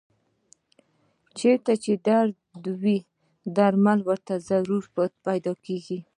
چېرته چې درد وي درمل ورته ضرور پیدا کېږي.